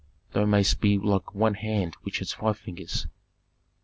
"Thou mayst be like one hand which has five fingers.